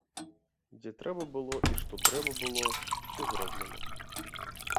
Дзе трэба было і што трэба было, усё зроблена.